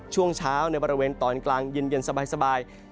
ช่วงเช้าในบริเวณตอนกลางเย็นสบาย